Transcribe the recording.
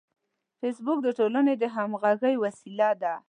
فېسبوک د ټولنې د همغږۍ وسیله ده